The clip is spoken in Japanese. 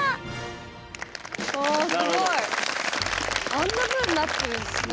あんなふうになってるんですね。